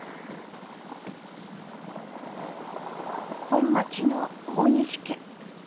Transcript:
本町の大西家。